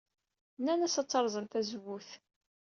Nnant-as ad terẓem tazewwut.